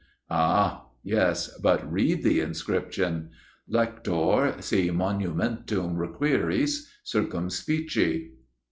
Ah yes, but read the inscription 'Lector, Si Monumentum Requiris, Circumspice.